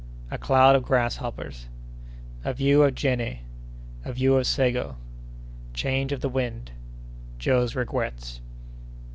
—A Cloud of Grasshoppers.—A View of Jenné.—A View of Ségo.—Change of the Wind.—Joe's Regrets.